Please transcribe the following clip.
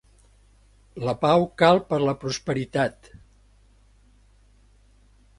La pau cal per la prosperitat.